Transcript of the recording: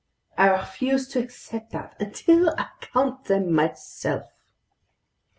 I refuse to accept that until I count them myself."